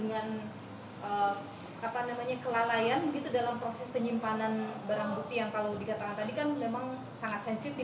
apakah ini berkaitan dengan kelalaian begitu dalam proses penyimpanan barang bukti yang kalau dikatakan tadi kan memang sangat sensitif